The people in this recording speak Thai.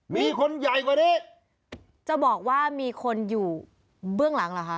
มีคนใหญ่กว่านี้จะบอกว่ามีคนอยู่เบื้องหลังเหรอคะ